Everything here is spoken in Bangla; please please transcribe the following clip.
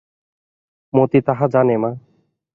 মতি তাহা জানে মা।